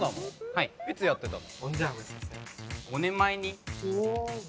はいいつやってたの？